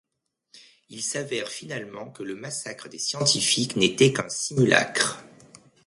Il s'avère finalement que le massacre des scientifiques n'était qu'un simulacre.